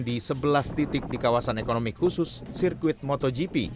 di sebelas titik di kawasan ekonomi khusus sirkuit motogp